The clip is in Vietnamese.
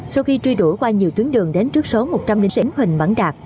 sau khi truy đuổi qua nhiều tuyến đường đến trước số một trăm linh linh sĩ hình bản đạt